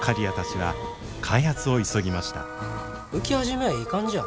浮き始めはいい感じや。